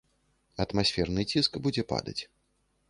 Атмасферны ціск будзе падаць.